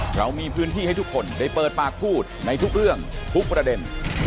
เรามีพื้นที่ให้ทุกคนได้เปิดปากพูดในทุกเรื่องทุกประเด็น